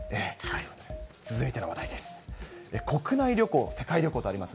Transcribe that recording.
続いての話題です。